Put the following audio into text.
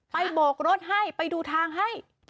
โบกรถให้ไปดูทางให้